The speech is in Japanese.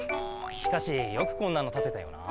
しかしよくこんなのたてたよな。